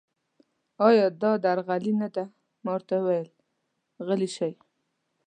ایا دا درغلي نه ده؟ ما ورته وویل: غلي شئ.